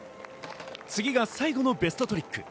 次が最後のベストトリック。